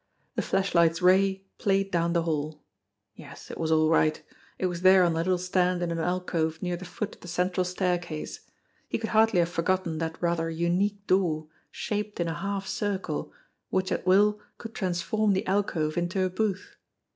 The flash light's ray played down the hall. Yes, it was all right! It was there on a little stand in an alcove near the foot of the central staircase. He could hardly have forgotten that rather unique door, shaped in a half circle, which at will could transform the alcove into a booth